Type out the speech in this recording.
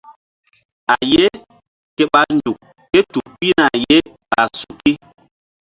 A ye ke ɓa nzuk ké tu pihna ye ɓa suki.